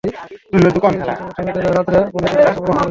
তবে অচিরেই সেই সমস্যা মিটে যাবে বলে তিনি আশা প্রকাশ করেছেন।